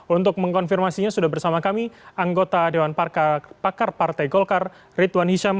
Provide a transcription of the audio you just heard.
untuk mengkonfirmasinya sudah bersama kami anggota dewan pakar partai golkar ridwan hisham